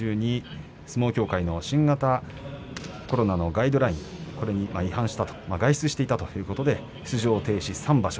相撲協会の新型コロナのガイドライン、これに違反した外出したということで出場停止３場所。